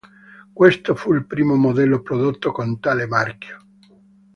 Questo fu il primo modello prodotto con tale marchio.